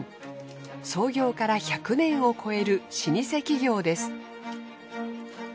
創業から１００年を超える老舗企業です。